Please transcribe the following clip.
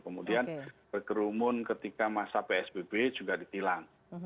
kemudian berkerumun ketika masa psbb juga ditilang